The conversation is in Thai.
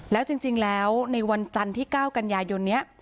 แล้วจริงแล้วในวันจันที่๙๙ยนต์เนี้ย